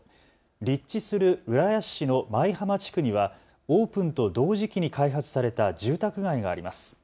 立地する浦安市の舞浜地区にはオープンと同時期に開発された住宅街があります。